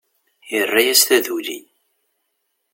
Irra-yas taduli.